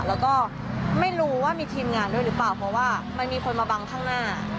แล้วก็ไม่รู้ว่ามีทีมงานด้วยหรือเปล่าเพราะว่ามันมีคนมาบังข้างหน้า